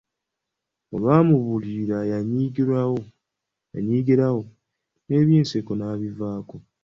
Olwamubuulira yanyigirawo ne eby'enseko n'abivaako.